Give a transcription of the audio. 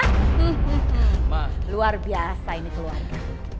luar biasa ini keluarga